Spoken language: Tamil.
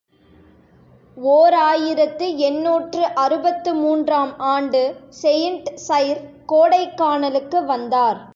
ஓர் ஆயிரத்து எண்ணூற்று அறுபத்து மூன்று ஆம் ஆண்டு செயிண்ட் சைர், கோடைக்கானலுக்கு வந்தார்.